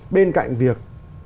bên cạnh việc